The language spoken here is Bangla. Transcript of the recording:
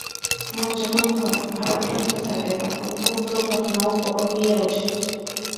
মন যখন ভারাক্রান্ত থাকে তখন ক্ষুদ্র ঘটনাও বড়ো হইয়া উঠে।